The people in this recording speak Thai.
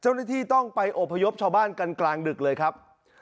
เจ้าหน้าที่ต้องไปอบพยพชาวบ้านกันกลางดึกเลยครับ